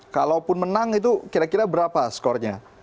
kalaupun menang itu kira kira berapa skornya